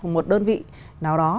một đơn vị nào đó